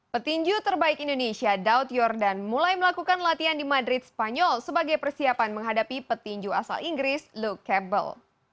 petinju terbaik indonesia daud yordan mulai melakukan latihan di madrid spanyol sebagai persiapan menghadapi petinju asal inggris lukable